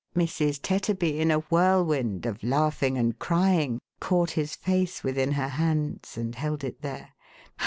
Mrs. Tetterby, in a whirlwind of laughing and crying. caught his face within her hands, and held it there.